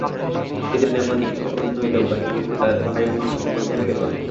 দুইজনের মনের ইচ্ছা পূর্ণ হইল বটে, কিন্তু ভারি মুশকিল বাধিয়া গেল।